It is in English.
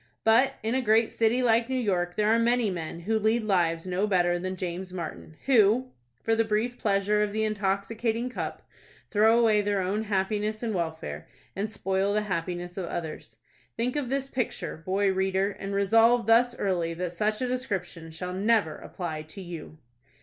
But, in a great city like New York, there are many men who lead lives no better than James Martin, who, for the brief pleasure of the intoxicating cup, throw away their own happiness and welfare, and spoil the happiness of others. Think of this picture, boy reader, and resolve thus early that such a description shall never apply to you!